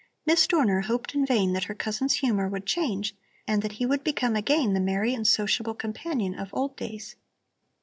Miss Dorner hoped in vain that her cousin's humor would change and that he would become again the merry and sociable companion of old days.